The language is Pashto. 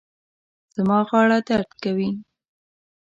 زما غاړه درد کوي